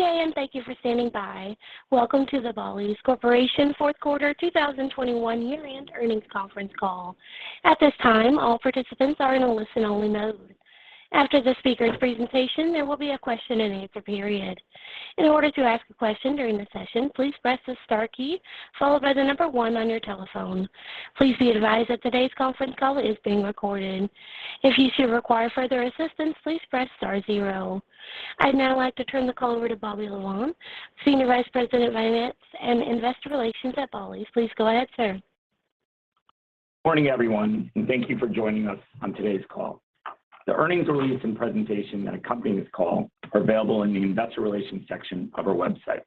Good day, and thank you for standing by. Welcome to the Bally's Corporation fourth quarter 2021 year-end earnings conference call. At this time, all participants are in a listen-only mode. After the speaker's presentation, there will be a question-and-answer period. In order to ask a question during the session, please press the star key followed by the number one on your telephone. Please be advised that today's conference call is being recorded. If you should require further assistance, please press star zero. I'd now like to turn the call over to Bobby Lavan, Senior Vice President of Finance & Investor Relations at Bally's. Please go ahead, sir. Morning, everyone, and thank you for joining us on today's call. The earnings release and presentation that accompany this call are available in the investor relations section of our website.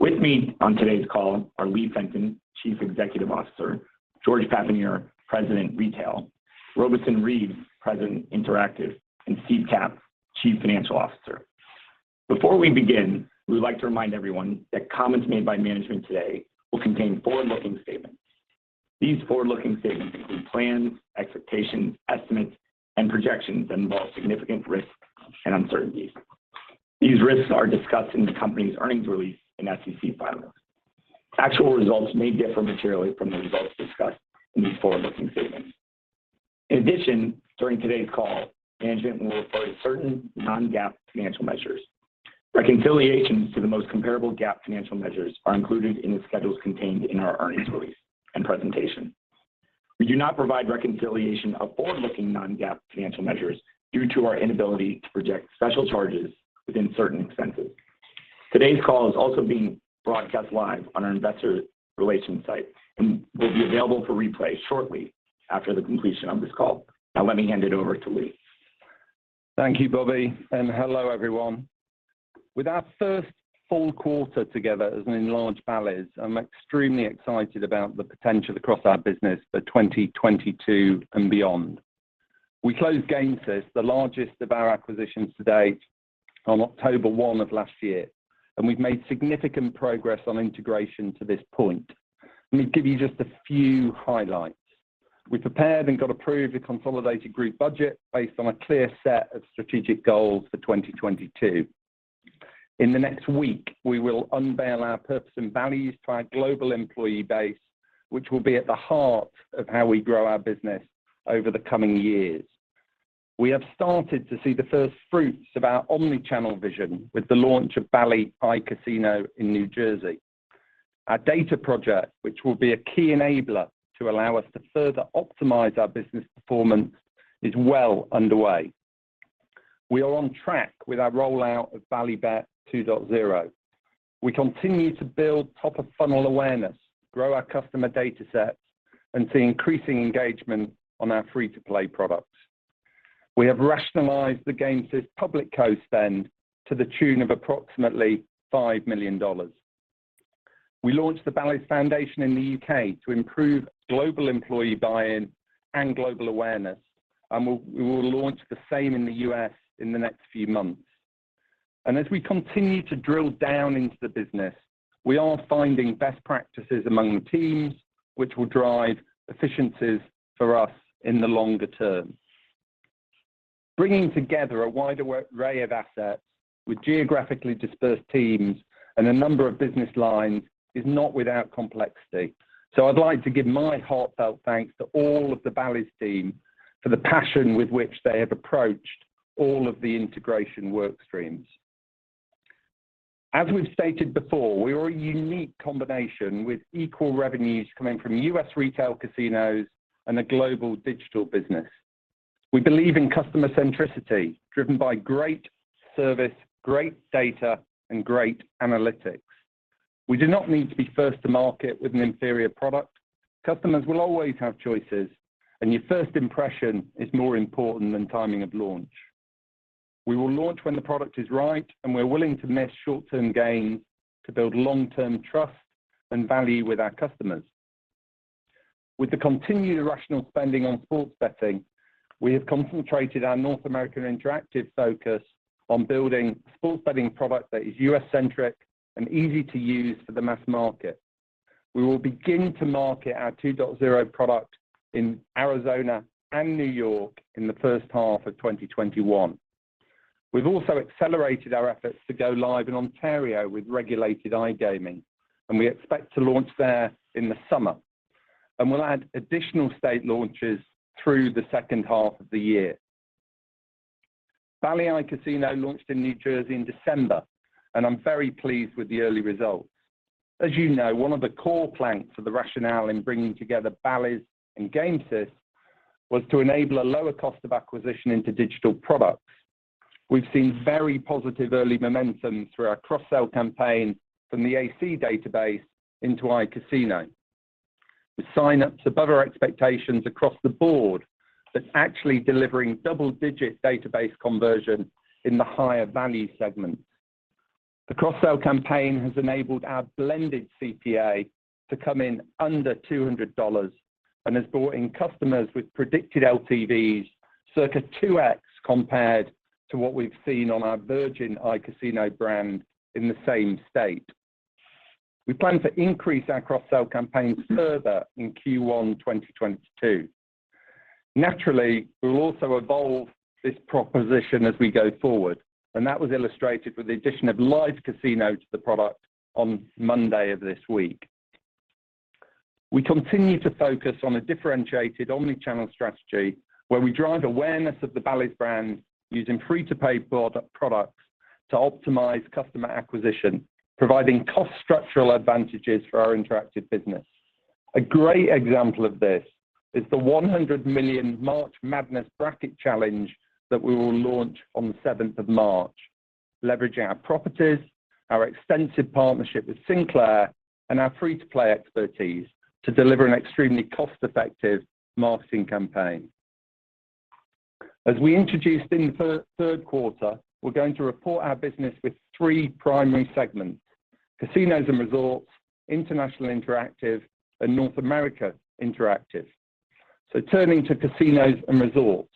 With me on today's call are Lee Fenton, Chief Executive Officer, George Papanier, President, Retail, Robeson Reeves, President, Interactive, and Steve Capp, Chief Financial Officer. Before we begin, we'd like to remind everyone that comments made by management today will contain forward-looking statements. These forward-looking statements include plans, expectations, estimates, and projections that involve significant risks and uncertainties. These risks are discussed in the company's earnings release and SEC filings. Actual results may differ materially from the results discussed in these forward-looking statements. In addition, during today's call, management will refer to certain non-GAAP financial measures. Reconciliations to the most comparable GAAP financial measures are included in the schedules contained in our earnings release and presentation. We do not provide reconciliation of forward-looking Non-GAAP financial measures due to our inability to project special charges within certain expenses. Today's call is also being broadcast live on our investor relations site and will be available for replay shortly after the completion of this call. Now let me hand it over to Lee. Thank you, Bobby, and hello, everyone. With our first full quarter together as an enlarged Bally's, I'm extremely excited about the potential across our business for 2022 and beyond. We closed Gamesys, the largest of our acquisitions to date, on October 1 of last year, and we've made significant progress on integration to this point. Let me give you just a few highlights. We prepared and got approved a consolidated group budget based on a clear set of strategic goals for 2022. In the next week, we will unveil our purpose and values to our global employee base which will be at the heart of how we grow our business over the coming years. We have started to see the first fruits of our omni-channel vision with the launch of Bally's Casino in New Jersey. Our data project, which will be a key enabler to allow us to further optimize our business performance, is well underway. We are on track with our rollout of Bally's Bet 2.0. We continue to build top-of-funnel awareness, grow our customer data sets, and see increasing engagement on our free-to-play products. We have rationalized the Gamesys public co-spend to the tune of approximately $5 million. We launched the Bally's Foundation in the UK to improve global employee buy-in and global awareness, and we will launch the same in the U.S. in the next few months. As we continue to drill down into the business, we are finding best practices among the teams which will drive efficiencies for us in the longer term. Bringing together a wide array of assets with geographically dispersed teams and a number of business lines is not without complexity. I'd like to give my heartfelt thanks to all of the Bally's team for the passion with which they have approached all of the integration work streams. As we've stated before, we are a unique combination with equal revenues coming from U.S. retail casinos and a global digital business. We believe in customer centricity driven by great service, great data, and great analytics. We do not need to be first to market with an inferior product. Customers will always have choices, and your first impression is more important than timing of launch. We will launch when the product is right, and we're willing to miss short-term gains to build long-term trust and value with our customers. With the continued rational spending on sports betting, we have concentrated our North American interactive focus on building a sports betting product that is U.S.-centric and easy to use for the mass market. We will begin to market our 2.0 product in Arizona and New York in the first half of 2021. We've also accelerated our efforts to go live in Ontario with regulated iGaming, and we expect to launch there in the summer. We'll add additional state launches through the second half of the year. Bally's iCasino launched in New Jersey in December, and I'm very pleased with the early results. As you know, one of the core planks of the rationale in bringing together Bally's and Gamesys was to enable a lower cost of acquisition into digital products. We've seen very positive early momentum through our cross-sell campaign from the AC database into iCasino. The sign up is above our expectations across the board. That's actually delivering double-digit database conversion in the higher value segment. The cross-sell campaign has enabled our blended CPA to come in under $200 and has brought in customers with predicted LTVs circa 2x compared to what we've seen on our Virgin Casino brand in the same state. We plan to increase our cross-sell campaigns further in Q1 2022. Naturally, we will also evolve this proposition as we go forward, and that was illustrated with the addition of live casino to the product on Monday of this week. We continue to focus on a differentiated omni-channel strategy where we drive awareness of the Bally's brand using free-to-play products to optimize customer acquisition, providing cost structural advantages for our interactive business. A great example of this is the $100 million March Madness Bracket Challenge that we will launch on the seventh of March, leveraging our properties, our extensive partnership with Sinclair, and our free-to-play expertise to deliver an extremely cost-effective marketing campaign. As we introduced in third quarter, we're going to report our business with three primary segments, casinos and resorts, international interactive, and North America interactive. Turning to casinos and resorts,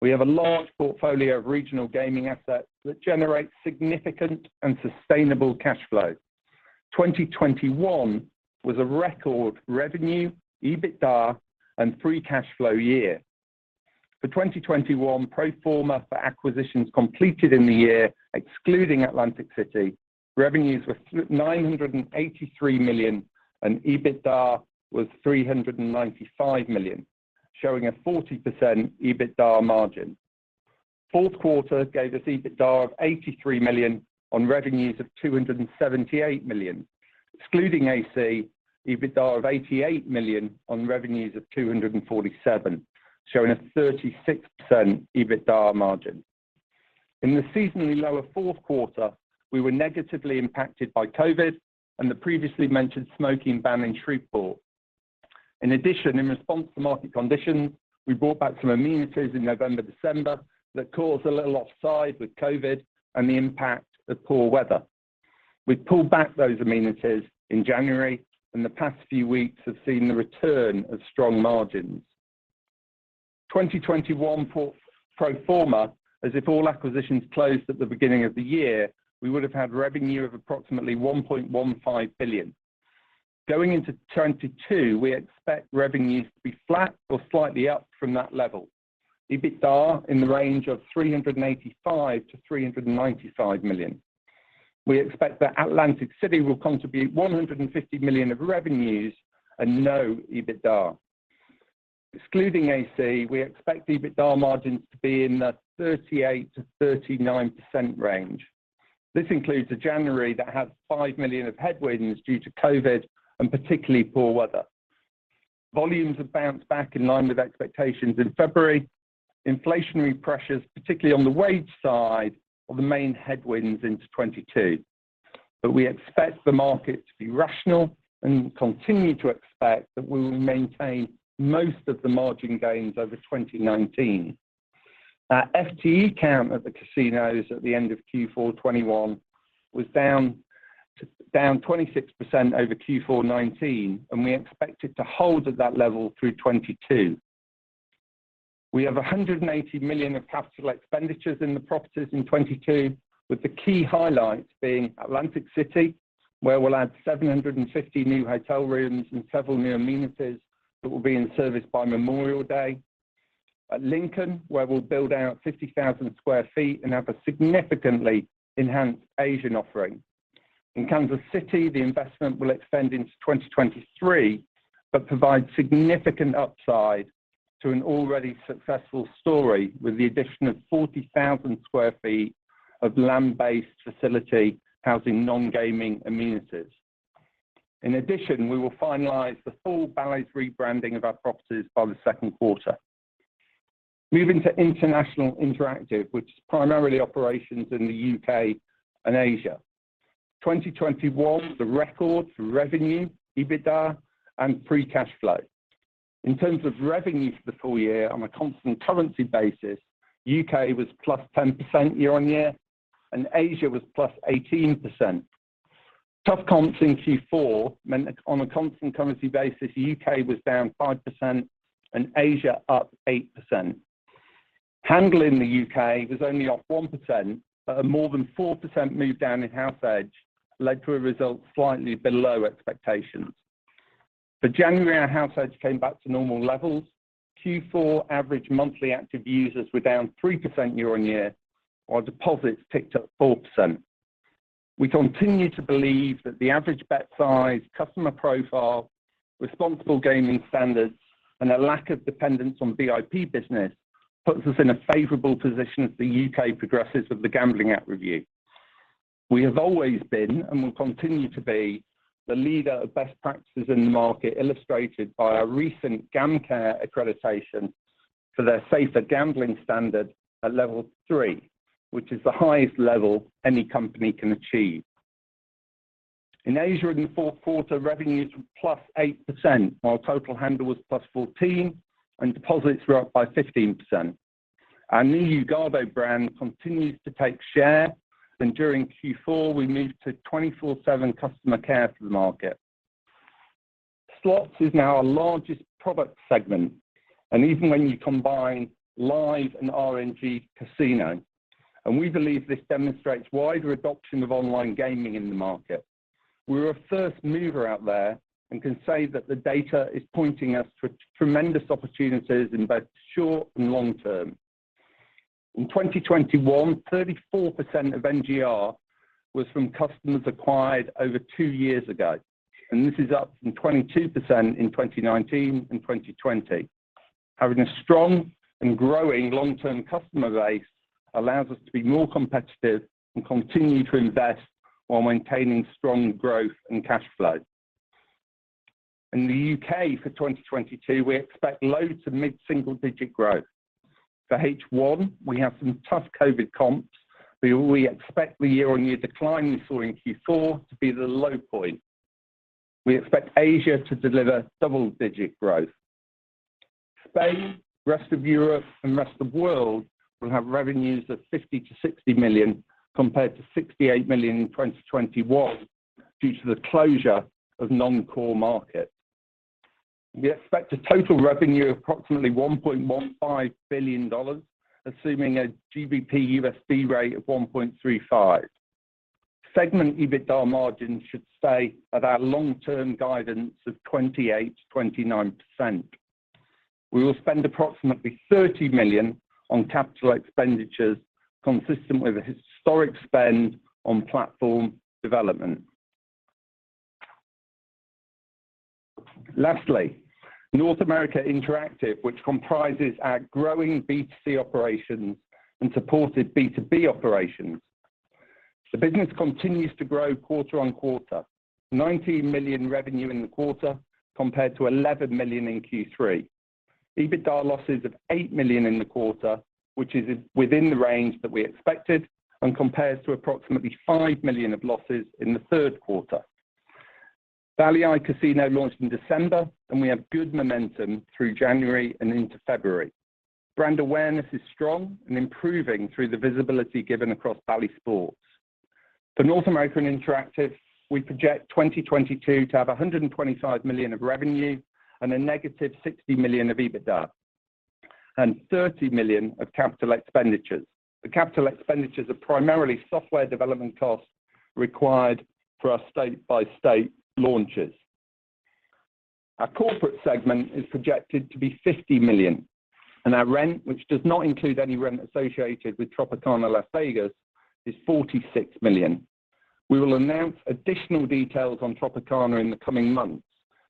we have a large portfolio of regional gaming assets that generate significant and sustainable cash flow. 2021 was a record revenue, EBITDA, and free cash flow year. For 2021, pro forma for acquisitions completed in the year, excluding Atlantic City, revenues were $983 million and EBITDA was $395 million, showing a 40% EBITDA margin. Fourth quarter gave us EBITDA of $83 million on revenues of $278 million. Excluding AC, EBITDA of $88 million on revenues of $247 million, showing a 36% EBITDA margin. In the seasonally lower fourth quarter, we were negatively impacted by COVID and the previously mentioned smoking ban in Shreveport. In addition, in response to market conditions, we brought back some amenities in November, December that caused a little outsize impact with COVID and the impact of poor weather. We pulled back those amenities in January, and the past few weeks have seen the return of strong margins. 2021 pro forma, as if all acquisitions closed at the beginning of the year, we would have had revenue of approximately $1.15 billion. Going into 2022, we expect revenues to be flat or slightly up from that level. EBITDA in the range of $385 million-$395 million. We expect that Atlantic City will contribute $150 million of revenues and no EBITDA. Excluding AC, we expect EBITDA margins to be in the 38%-39% range. This includes a January that had $5 million of headwinds due to COVID and particularly poor weather. Volumes have bounced back in line with expectations in February. Inflationary pressures, particularly on the wage side, are the main headwinds into 2022. We expect the market to be rational and continue to expect that we will maintain most of the margin gains over 2019. Our FTE count at the casinos at the end of Q4 2021 was down 26% over Q4 2019, and we expect it to hold at that level through 2022. We have $180 million of capital expenditures in the properties in 2022, with the key highlights being Atlantic City, where we'll add 750 new hotel rooms and several new amenities that will be in service by Memorial Day. At Lincoln, where we'll build out 50,000 sq ft and have a significantly enhanced Asian offering. In Kansas City, the investment will extend into 2023 but provide significant upside to an already successful story with the addition of 40,000 sq ft of land-based facility housing non-gaming amenities. In addition, we will finalize the full Bally's rebranding of our properties by the second quarter. Moving to international interactive, which is primarily operations in the UK and Asia. 2021, the record for revenue, EBITDA, and free cash flow. In terms of revenues for the full year on a constant currency basis, UK was +10% year-on-year, and Asia was +18%. Tough comps in Q4 meant that on a constant currency basis, UK was down 5% and Asia up 8%. Handling the UK was only up 1%, but a more than 4% move down in house edge led to a result slightly below expectations. For January, our house edge came back to normal levels. Q4 average monthly active users were down 3% year-on-year, while deposits ticked up 4%. We continue to believe that the average bet size, customer profile, responsible gaming standards, and a lack of dependence on VIP business puts us in a favorable position as the UK progresses with the Gambling Act review. We have always been and will continue to be the leader of best practices in the market, illustrated by our recent GamCare accreditation for their Safer Gambling Standard at level 3, which is the highest level any company can achieve. In Asia in the fourth quarter, revenues were +8%, while total handle was +14%, and deposits were up by 15%. Our new Yuugado brand continues to take share, and during Q4, we moved to 24/7 customer care for the market. Slots is now our largest product segment, and even when you combine live and RNG casino, and we believe this demonstrates wider adoption of online gaming in the market. We are a first mover out there and can say that the data is pointing us to tremendous opportunities in both short and long term. In 2021, 34% of NGR was from customers acquired over two years ago, and this is up from 22% in 2019 and 2020. Having a strong and growing long-term customer base allows us to be more competitive and continue to invest while maintaining strong growth and cash flow. In the UK for 2022, we expect low to mid-single-digit growth. For H1, we have some tough COVID comps, but we expect the year-on-year decline we saw in Q4 to be the low point. We expect Asia to deliver double-digit growth. Spain, rest of Europe, and rest of world will have revenues of $50 million-$60 million compared to $68 million in 2021 due to the closure of non-core markets. We expect a total revenue of approximately $1.15 billion, assuming a GBP-USD rate of 1.35. Segment EBITDA margins should stay at our long-term guidance of 28%-29%. We will spend approximately $30 million on capital expenditures consistent with the historic spend on platform development. North America Interactive, which comprises our growing B2C operations and supported B2B operations, continues to grow quarter-over-quarter. $19 million revenue in the quarter compared to $11 million in Q3. EBITDA losses of $8 million in the quarter, which is within the range that we expected and compares to approximately $5 million of losses in the third quarter. Bally's Casino launched in December, and we have good momentum through January and into February. Brand awareness is strong and improving through the visibility given across Bally's Sports. For North American Interactive, we project 2022 to have $125 million of revenue and -$60 million of EBITDA and $30 million of capital expenditures. The capital expenditures are primarily software development costs required for our state-by-state launches. Our corporate segment is projected to be $50 million, and our rent, which does not include any rent associated with Tropicana Las Vegas, is $46 million. We will announce additional details on Tropicana in the coming months,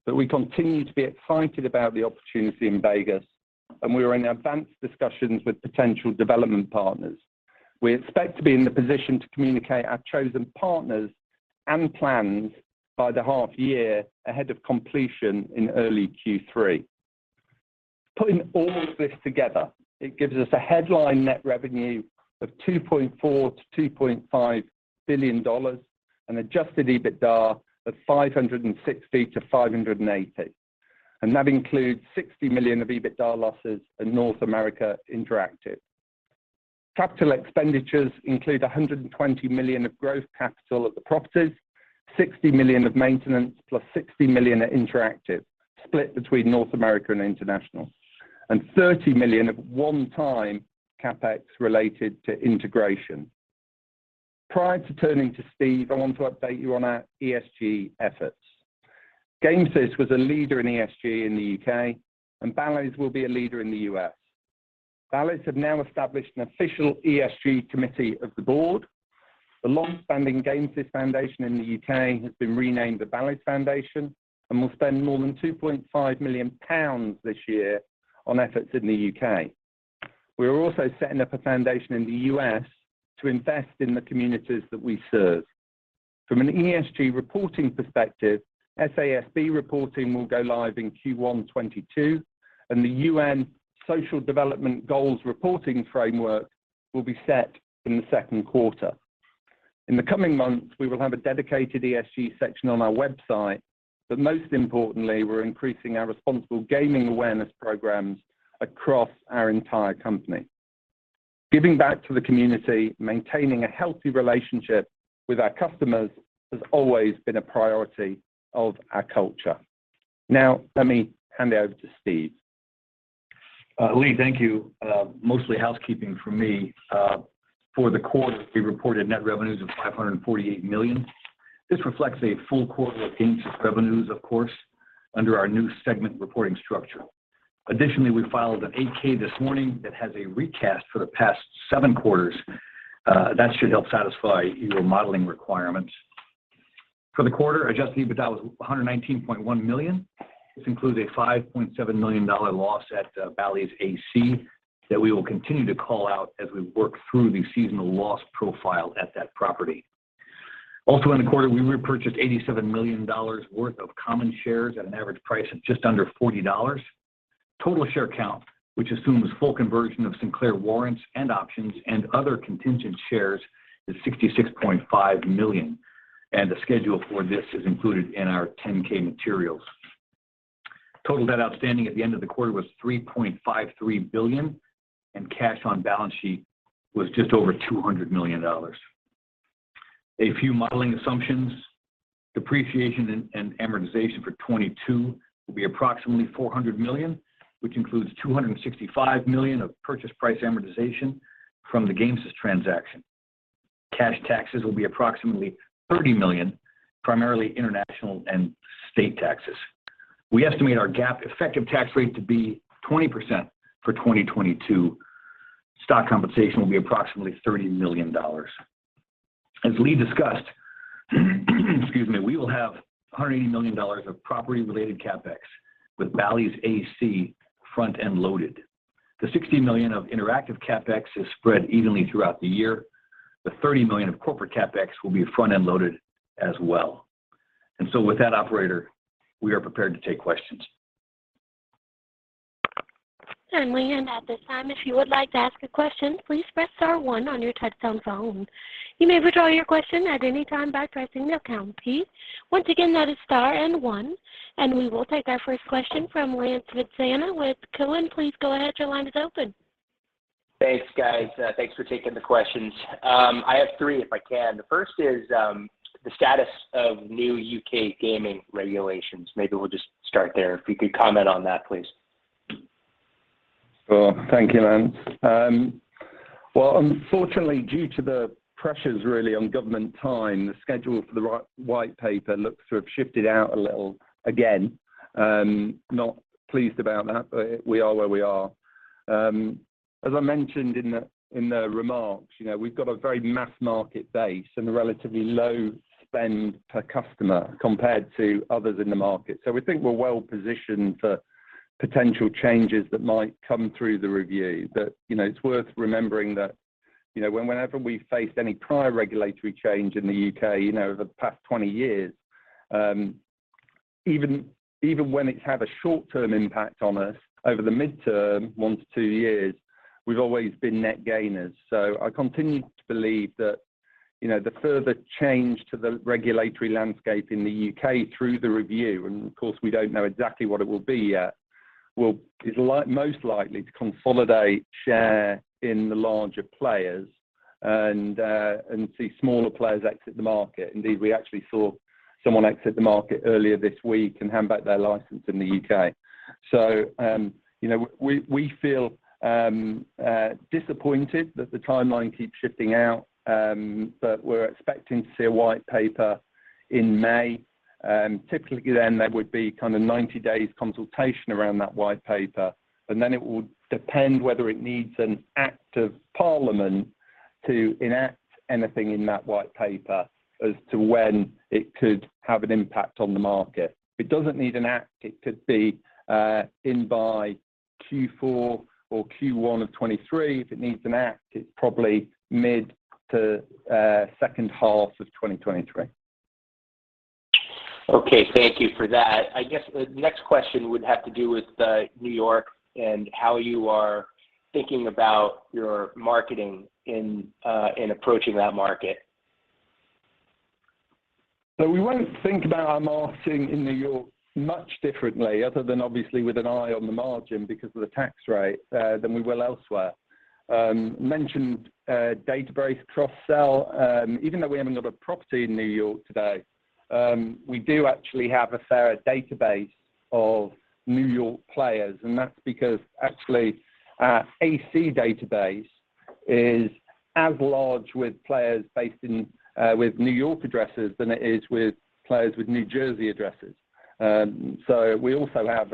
but we continue to be excited about the opportunity in Vegas, and we are in advanced discussions with potential development partners. We expect to be in the position to communicate our chosen partners and plans by the half year ahead of completion in early Q3. Putting all of this together, it gives us a headline net revenue of $2.4 billion-$2.5 billion and adjusted EBITDA of $560 million-$580 million, and that includes $60 million of EBITDA losses in North America Interactive. Capital expenditures include $120 million of growth capital at the properties, $60 million of maintenance plus $60 million at Interactive, split between North America and International, and $30 million of one-time CapEx related to integration. Prior to turning to Steve, I want to update you on our ESG efforts. Gamesys was a leader in ESG in the UK, and Bally's will be a leader in the U.S. Bally's have now established an official ESG committee of the board. The long-standing Gamesys Foundation in the UK has been renamed the Bally's Foundation and will spend more than 2.5 million pounds this year on efforts in the UK We are also setting up a foundation in the U.S. to invest in the communities that we serve. From an ESG reporting perspective, SASB reporting will go live in Q1 2022, and the UN Sustainable Development Goals reporting framework will be set in the second quarter. In the coming months, we will have a dedicated ESG section on our website, but most importantly, we're increasing our responsible gaming awareness programs across our entire company. Giving back to the community, maintaining a healthy relationship with our customers has always been a priority of our culture. Now, let me hand it over to Steve. Lee, thank you. Mostly housekeeping for me. For the quarter, we reported net revenues of $548 million. This reflects a full quarter of Gamesys revenues, of course, under our new segment reporting structure. Additionally, we filed an 8-K this morning that has a recast for the past seven quarters. That should help satisfy your modeling requirements. For the quarter, adjusted EBITDA was $119.1 million. This includes a $5.7 million loss at Bally's AC that we will continue to call out as we work through the seasonal loss profile at that property. Also in the quarter, we repurchased $87 million worth of common shares at an average price of just under $40. Total share count, which assumes full conversion of Sinclair warrants and options and other contingent shares, is 66.5 million, and the schedule for this is included in our 10-K materials. Total debt outstanding at the end of the quarter was $3.53 billion, and cash on balance sheet was just over $200 million. A few modeling assumptions. Depreciation and amortization for 2022 will be approximately $400 million, which includes $265 million of purchase price amortization from the Gamesys transaction. Cash taxes will be approximately $30 million, primarily international and state taxes. We estimate our GAAP effective tax rate to be 20% for 2022. Stock compensation will be approximately $30 million. As Lee discussed, excuse me, we will have $180 million of property related CapEx with Bally's AC front-end loaded. The $60 million of interactive CapEx is spread evenly throughout the year. The $30 million of corporate CapEx will be front-end loaded as well. With that, operator, we are prepared to take questions. We end at this time. If you would like to ask a question, please press star one on your touch-tone phone. You may withdraw your question at any time by pressing the pound key. Once again, that is star and one, and we will take our first question from Lance Vitanza with Cowen. Please go ahead. Your line is open. Thanks, guys. Thanks for taking the questions. I have three, if I can. The first is the status of new UK gaming regulations. Maybe we'll just start there. If you could comment on that, please. Sure. Thank you, Lance. Well, unfortunately, due to the pressures really on government time, the schedule for the white paper looks to have shifted out a little again. Not pleased about that, but we are where we are. As I mentioned in the remarks, you know, we've got a very mass market base and a relatively low spend per customer compared to others in the market. We think we're well positioned for potential changes that might come through the review. You know, it's worth remembering that, you know, whenever we faced any prior regulatory change in the UK, you know, over the past 20 years, even when it's had a short-term impact on us, over the mid-term, 1-2 years, we've always been net gainers. I continue to believe that, you know, the further change to the regulatory landscape in the UK through the review, and of course, we don't know exactly what it will be yet, will most likely to consolidate share in the larger players and and see smaller players exit the market. Indeed, we actually saw someone exit the market earlier this week and hand back their license in the UK. You know, we feel disappointed that the timeline keeps shifting out, but we're expecting to see a white paper in May. Typically then there would be kind of 90 days consultation around that white paper, and then it would depend whether it needs an act of parliament to enact anything in that white paper as to when it could have an impact on the market. If it doesn't need an act, it could be in by Q4 or Q1 of 2023. If it needs an act, it's probably mid to second half of 2023. Okay. Thank you for that. I guess the next question would have to do with New York and how you are thinking about your marketing in approaching that market. We won't think about our marketing in New York much differently, other than obviously with an eye on the margin because of the tax rate, than we will elsewhere. We mentioned database cross-sell. Even though we haven't got a property in New York today, we do actually have a fair database of New York players, and that's because actually our AC database is as large with players with New York addresses than it is with players with New Jersey addresses. We also have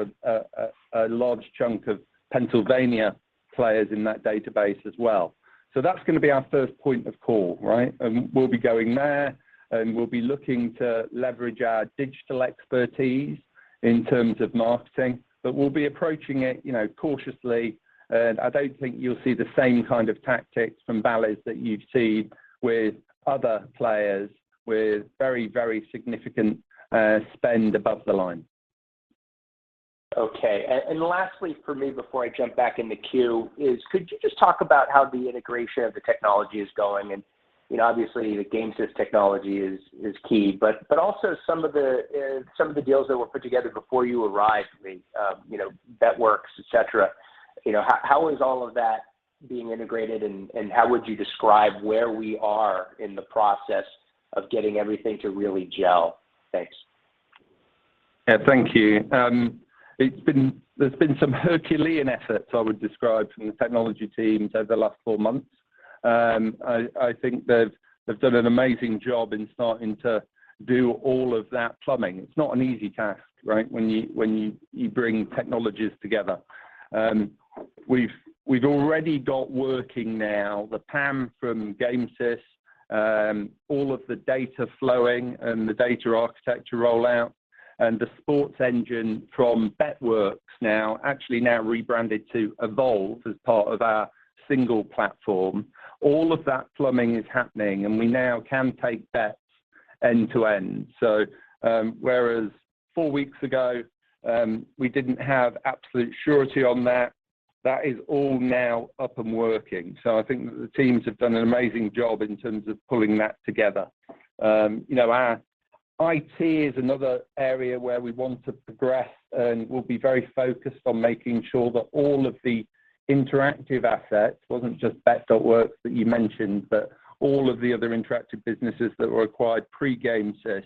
a large chunk of Pennsylvania players in that database as well. That's gonna be our first point of call, right? We'll be going there, and we'll be looking to leverage our digital expertise in terms of marketing. We'll be approaching it, you know, cautiously. I don't think you'll see the same kind of tactics from Bally's that you've seen with other players with very, very significant spend above the line. Okay. Lastly for me before I jump back in the queue, could you just talk about how the integration of the technology is going? You know, obviously the Gamesys technology is key, but also some of the deals that were put together before you arrived, Lee, you know, Bet.Works, et cetera. You know, how is all of that being integrated, and how would you describe where we are in the process of getting everything to really gel? Thanks. Yeah, thank you. There's been some Herculean efforts I would describe from the technology teams over the last four months. I think they've done an amazing job in starting to do all of that plumbing. It's not an easy task, right? When you bring technologies together. We've already got working now the PAM from Gamesys, all of the data flowing and the data architecture rollout, and the sports engine from Bet.Works now actually rebranded to Evolve as part of our single platform. All of that plumbing is happening, and we now can take bets end to end. Whereas four weeks ago, we didn't have absolute surety on that is all now up and working. I think that the teams have done an amazing job in terms of pulling that together. You know, our IT is another area where we want to progress and we'll be very focused on making sure that all of the interactive assets. It wasn't just Bet.Works that you mentioned, but all of the other interactive businesses that were acquired pre-Gamesys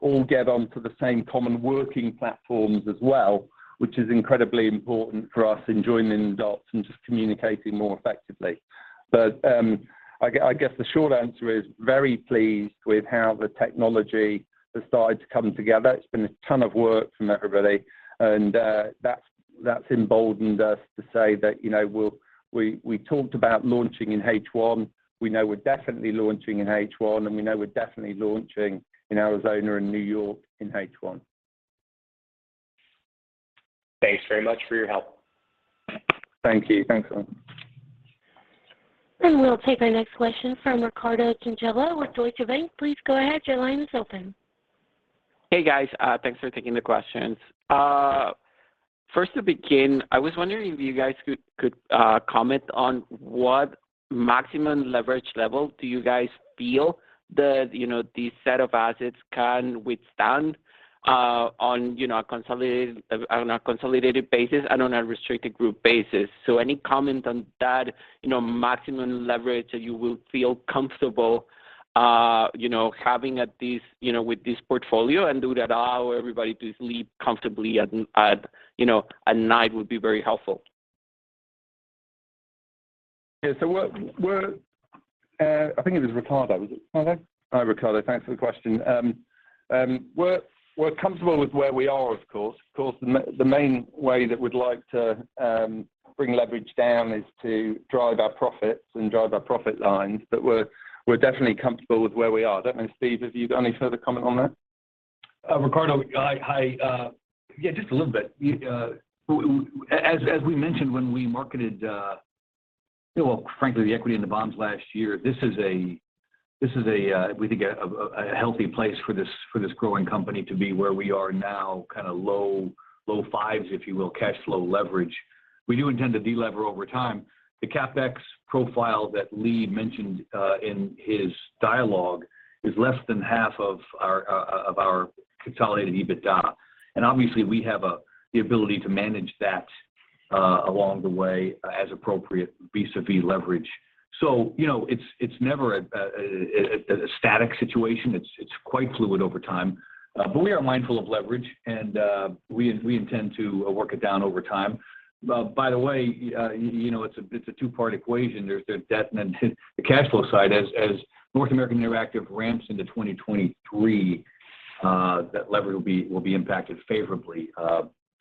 all get onto the same common working platforms as well, which is incredibly important for us in joining the dots and just communicating more effectively. I guess the short answer is I'm very pleased with how the technology has started to come together. It's been a ton of work from everybody, and that's emboldened us to say that, you know, we talked about launching in H1. We know we're definitely launching in H1, and we know we're definitely launching in Arizona and New York in H1. Thanks very much for your help. Thank you. Thanks, Lance. We'll take our next question from Carlo Santarelli with Deutsche Bank. Please go ahead. Your line is open. Hey, guys. Thanks for taking the questions. First to begin, I was wondering if you guys could comment on what maximum leverage level do you guys feel the, you know, the set of assets can withstand, on, you know, a consolidated basis and on a restricted group basis? So any comment on that, you know, maximum leverage that you will feel comfortable, you know, having at this, you know, with this portfolio, and would that allow everybody to sleep comfortably at, you know, at night would be very helpful. Yeah. I think it was Carlo, was it? Ricardo. Hi, Carlo. Thanks for the question. We're comfortable with where we are, of course. Of course, the main way that we'd like to bring leverage down is to drive our profits and drive our profit lines. We're definitely comfortable with where we are. I don't know, Steve, have you got any further comment on that? Carlo Santarelli, hi. Yeah, just a little bit. As we mentioned when we marketed, you know, frankly, the equity and the bonds last year, this is a healthy place for this growing company to be where we are now, kind of low fives, if you will, cash flow leverage. We do intend to delever over time. The CapEx profile that Lee mentioned in his dialogue is less than half of our consolidated EBITDA. Obviously, we have the ability to manage that along the way as appropriate vis-a-vis leverage. You know, it's never a static situation. It's quite fluid over time. We are mindful of leverage and we intend to work it down over time. By the way, you know, it's a two-part equation. There's debt and then the cash flow side. As North American Interactive ramps into 2023, that leverage will be impacted favorably,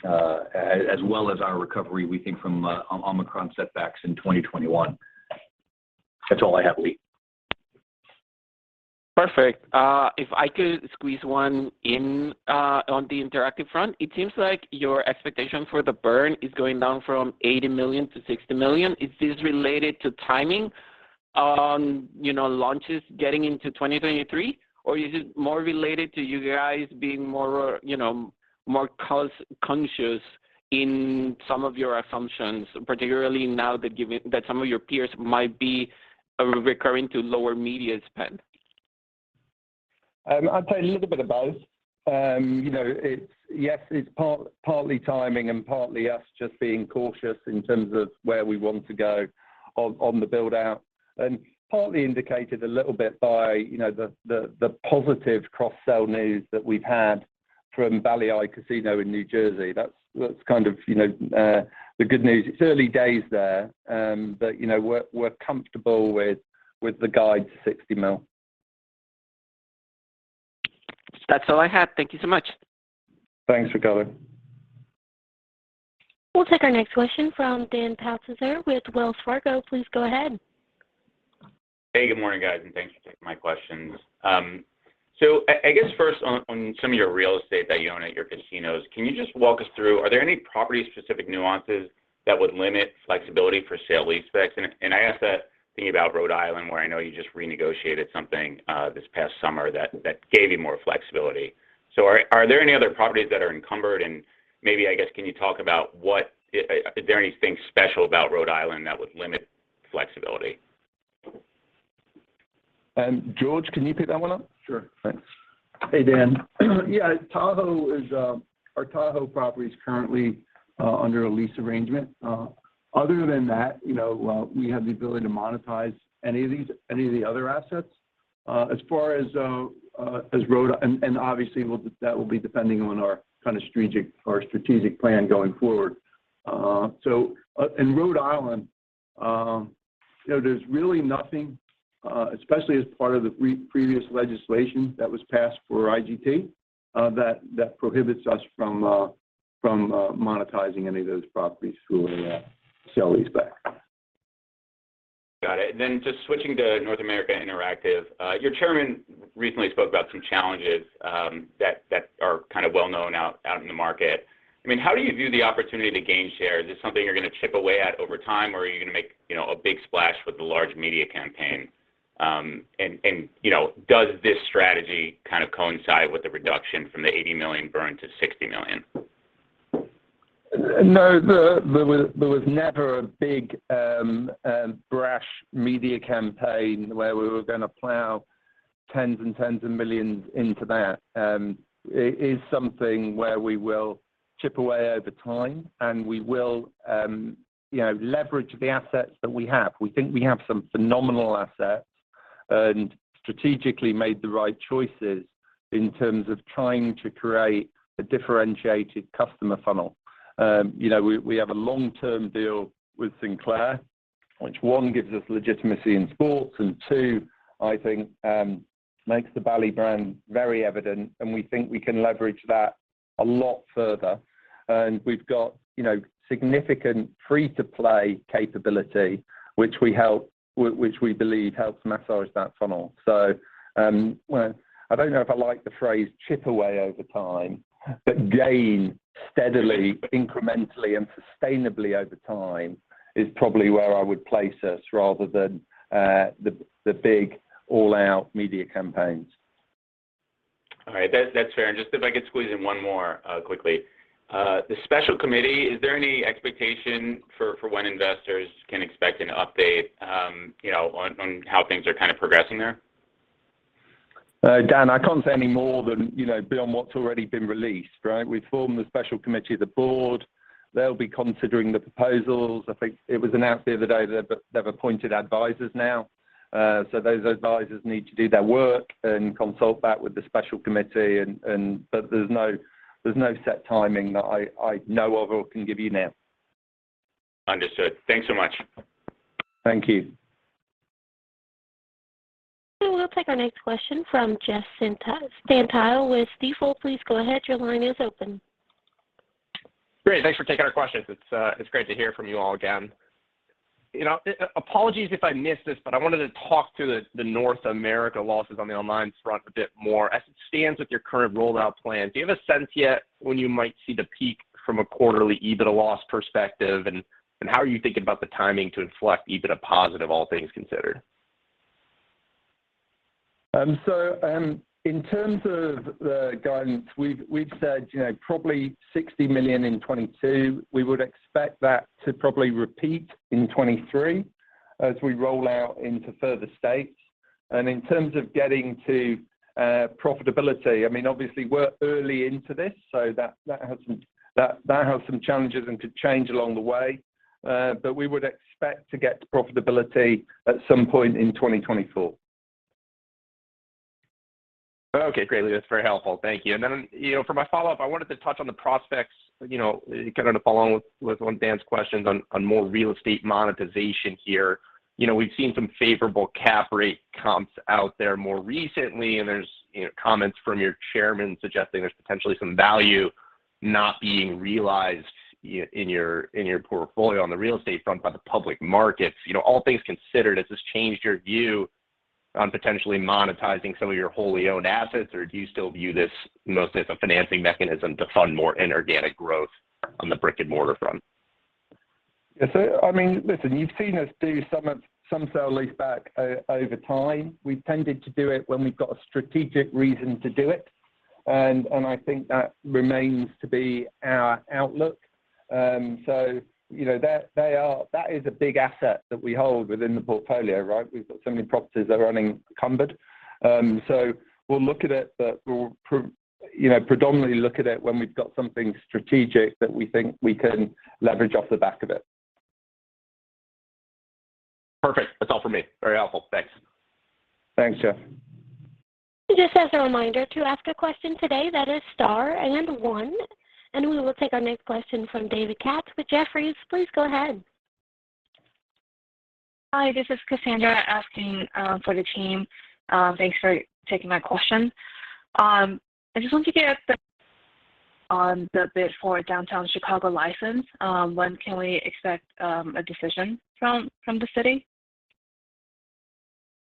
as well as our recovery, we think, from Omicron setbacks in 2021. That's all I have, Lee. Perfect. If I could squeeze one in on the interactive front. It seems like your expectation for the burn is going down from $80 million to $60 million. Is this related to timing on launches getting into 2023, or is it more related to you guys being more cost conscious in some of your assumptions, particularly now that some of your peers might be resorting to lower media spend? I'd say a little bit of both. You know, yes, it's partly timing and partly us just being cautious in terms of where we want to go on the build-out, and partly indicated a little bit by, you know, the positive cross-sell news that we've had from Bally's Casino in New Jersey. That's kind of, you know, the good news. It's early days there, but, you know, we're comfortable with the guide $60 million. That's all I have. Thank you so much. Thanks, Carlo Santarelli. We'll take our next question from Daniel Politzer with Wells Fargo. Please go ahead. Hey, good morning, guys, and thanks for taking my questions. I guess first on some of your real estate that you own at your casinos, can you just walk us through are there any property specific nuances that would limit flexibility for sale leasebacks? I ask that thinking about Rhode Island, where I know you just renegotiated something this past summer that gave you more flexibility. Are there any other properties that are encumbered? Maybe, I guess, can you talk about, is there anything special about Rhode Island that would limit flexibility? George, can you pick that one up? Sure. Thanks. Hey, Dan. Yeah. Our Tahoe property is currently under a lease arrangement. Other than that, you know, we have the ability to monetize any of these, any of the other assets. As far as Rhode Island, obviously, that will be depending on our kind of strategic plan going forward. In Rhode Island, you know, there's really nothing, especially as part of the previous legislation that was passed for IGT, that prohibits us from monetizing any of those properties through a sale-leaseback. Got it. Just switching to North America Interactive. Your chairman recently spoke about some challenges that are kind of well known out in the market. I mean, how do you view the opportunity to gain share? Is this something you're gonna chip away at over time, or are you gonna make, you know, a big splash with a large media campaign? And, you know, does this strategy kind of coincide with the reduction from the $80 million burn to $60 million? No, there was never a big brash media campaign where we were gonna plow $10s and $10s of millions into that. It is something where we will chip away over time, and we will, you know, leverage the assets that we have. We think we have some phenomenal assets and strategically made the right choices in terms of trying to create a differentiated customer funnel. You know, we have a long-term deal with Sinclair, which, one, gives us legitimacy in sports, and two, I think, makes the Bally's brand very evident, and we think we can leverage that a lot further. We've got, you know, significant free-to-play capability, which we believe helps massage that funnel. well, I don't know if I like the phrase chip away over time, but gain steadily, incrementally, and sustainably over time is probably where I would place us rather than the big all-out media campaigns. All right. That's fair. Just if I could squeeze in one more quickly. The special committee, is there any expectation for when investors can expect an update, you know, on how things are kinda progressing there? Dan, I can't say any more than, you know, beyond what's already been released, right? We've formed the special committee of the board. They'll be considering the proposals. I think it was announced the other day that they've appointed advisors now. So those advisors need to do their work and consult that with the special committee. But there's no set timing that I know of or can give you now. Understood. Thanks so much. Thank you. We'll take our next question from Jeff Stantial with Stifel. Please go ahead. Your line is open. Great. Thanks for taking our questions. It's great to hear from you all again. You know, apologies if I missed this, but I wanted to talk to the North America losses on the online front a bit more. As it stands with your current rollout plan, do you have a sense yet when you might see the peak from a quarterly EBITDA loss perspective, and how are you thinking about the timing to inflect EBITDA positive, all things considered? In terms of the guidance, we've said, you know, probably $60 million in 2022. We would expect that to probably repeat in 2023 as we roll out into further states. In terms of getting to profitability, I mean, obviously we're early into this, so that has some challenges and could change along the way. We would expect to get to profitability at some point in 2024. Okay, great, Lee. Very helpful. Thank you. Then, you know, for my follow-up, I wanted to touch on the prospects, you know, kind of following on done questions on more real estate monetization here. You know, we've seen some favorable cap rate comps out there more recently, and there's, you know, comments from your chairman suggesting there's potentially some value not being realized in your portfolio on the real estate front by the public markets. You know, all things considered, has this changed your view on potentially monetizing some of your wholly owned assets, or do you still view this mostly as a financing mechanism to fund more inorganic growth on the brick-and-mortar front? I mean, listen, you've seen us do some sale-leaseback over time. We've tended to do it when we've got a strategic reason to do it, and I think that remains to be our outlook. You know, that is a big asset that we hold within the portfolio, right? We've got so many properties that are unencumbered. We'll look at it, but we'll, you know, predominantly look at it when we've got something strategic that we think we can leverage off the back of it. Perfect. That's all for me. Very helpful. Thanks. Thanks, Jeff. Just as a reminder, to ask a question today, that is star and one. We will take our next question from David Katz with Jefferies. Please go ahead. Hi, this is Cassandra asking for the team. Thanks for taking my question. I just want to get your take on the bid for a downtown Chicago license. When can we expect a decision from the city?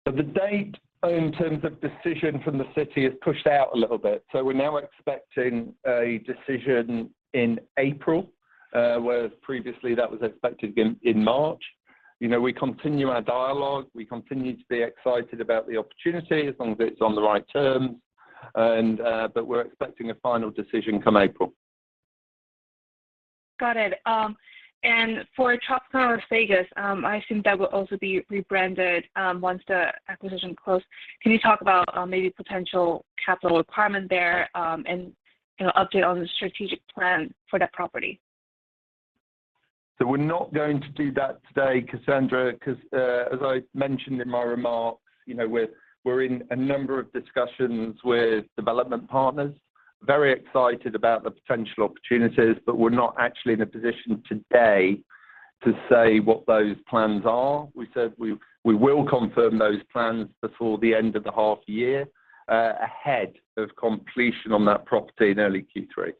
The date in terms of decision from the city is pushed out a little bit, so we're now expecting a decision in April, whereas previously that was expected in March. You know, we continue our dialogue. We continue to be excited about the opportunity as long as it's on the right terms, and but we're expecting a final decision come April. Got it. For Topgolf Vegas, I assume that will also be rebranded once the acquisition close. Can you talk about maybe potential capital requirement there, and you know, update on the strategic plan for that property? We're not going to do that today, Cassandra, 'cause as I mentioned in my remarks, you know, we're in a number of discussions with development partners. Very excited about the potential opportunities, but we're not actually in a position today to say what those plans are. We will confirm those plans before the end of the half year, ahead of completion on that property in early Q3.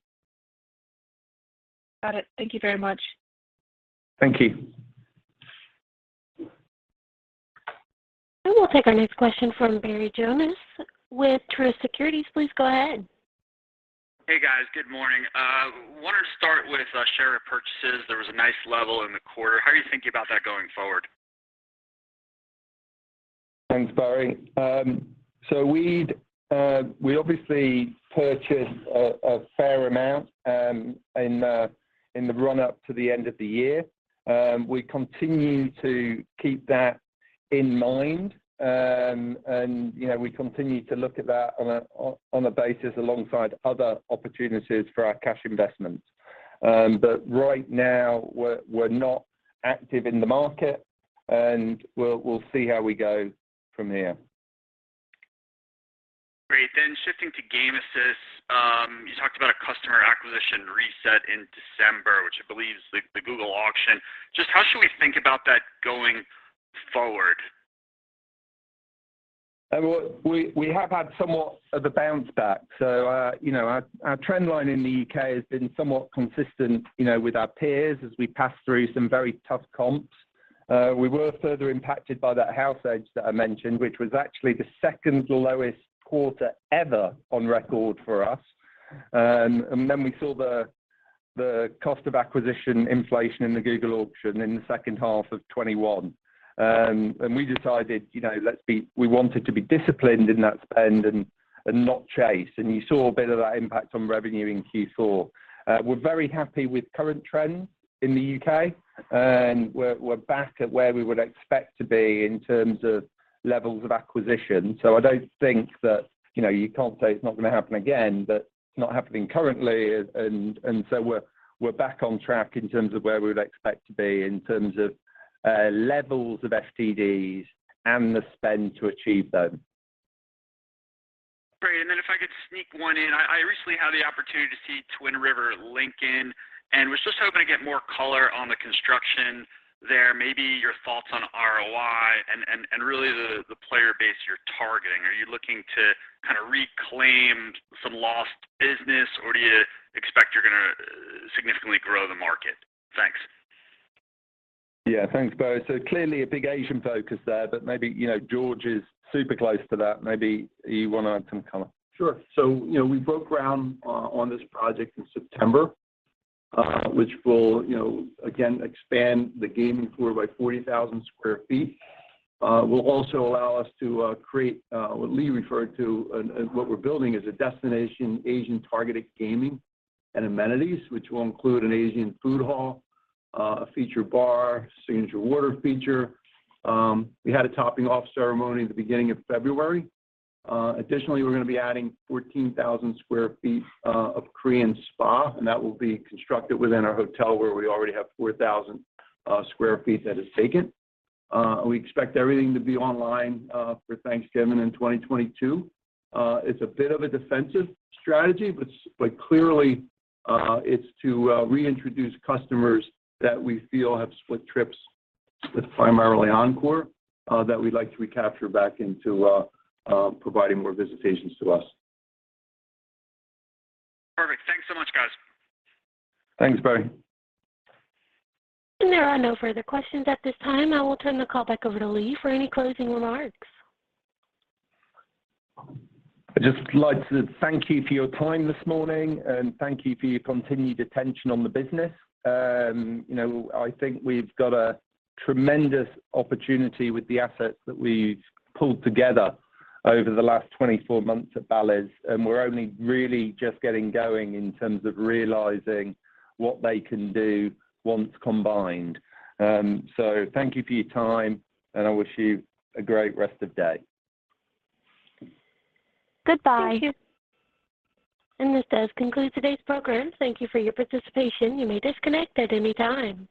Got it. Thank you very much. Thank you. We'll take our next question from Barry Jonas with Truist Securities. Please go ahead. Hey, guys. Good morning. Wanted to start with share repurchases. There was a nice level in the quarter. How are you thinking about that going forward? Thanks, Barry. So we obviously purchased a fair amount in the run-up to the end of the year. We continue to keep that in mind. You know, we continue to look at that on a basis alongside other opportunities for our cash investments. Right now, we're not active in the market, and we'll see how we go from here. Great. Shifting to Gamesys, you talked about a customer acquisition reset in December, which I believe is the Google auction. Just how should we think about that going forward? Well, we have had somewhat of a bounce back. You know, our trend line in the UK has been somewhat consistent, you know, with our peers as we pass through some very tough comps. We were further impacted by that house edge that I mentioned, which was actually the second lowest quarter ever on record for us. Then we saw the cost of acquisition inflation in the Google auction in the second half of 2021. We decided, you know, we wanted to be disciplined in that spend and not chase, and you saw a bit of that impact on revenue in Q4. We're very happy with current trends in the UK, and we're back at where we would expect to be in terms of levels of acquisition. I don't think that, you know, you can't say it's not gonna happen again, but it's not happening currently and so we're back on track in terms of where we would expect to be in terms of levels of FTDs and the spend to achieve them. Great. If I could sneak one in. I recently had the opportunity to see Twin River Lincoln and was just hoping to get more color on the construction there, maybe your thoughts on ROI and really the player base you're targeting. Are you looking to kind of reclaim some lost business, or do you expect you're gonna significantly grow the market? Thanks. Yeah. Thanks, Barry. Clearly a big Asian focus there, but maybe, you know, George is super close to that. Maybe you wanna add some color. Sure. You know, we broke ground on this project in September, which will, you know, again, expand the gaming floor by 40,000 sq ft. Will also allow us to create what Lee referred to as what we're building as a destination Asian targeted gaming and amenities, which will include an Asian food hall, a feature bar, signature water feature. We had a topping off ceremony at the beginning of February. Additionally, we're gonna be adding 14,000 sq ft of Korean spa, and that will be constructed within our hotel where we already have 4,000 sq ft that is vacant. We expect everything to be online for Thanksgiving in 2022. It's a bit of a defensive strategy, but clearly, it's to reintroduce customers that we feel have split trips, that's primarily Encore, that we'd like to recapture back into providing more visitations to us. Perfect. Thanks so much, guys. Thanks, Barry. There are no further questions at this time. I will turn the call back over to Lee for any closing remarks. I'd just like to thank you for your time this morning, and thank you for your continued attention on the business. You know, I think we've got a tremendous opportunity with the assets that we've pulled together over the last 24 months at Bally's, and we're only really just getting going in terms of realizing what they can do once combined. Thank you for your time, and I wish you a great rest of day. Goodbye. Thank you. This does conclude today's program. Thank you for your participation. You may disconnect at any time.